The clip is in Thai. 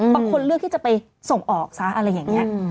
บางคนเลือกที่จะไปส่งออกซะอะไรอย่างนี้